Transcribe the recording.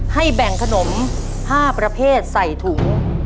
แบ่งขนม๕ประเภทใส่ถุง